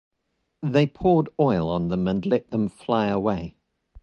They poured oil on them and let them fly away.